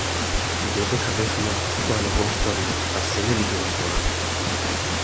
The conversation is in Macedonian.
Додека бев млад тоа не го сторив та сега ли ќе го сторам.